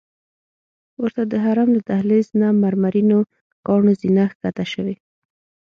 ورته د حرم له دهلیز نه مرمرینو کاڼو زینه ښکته شوې.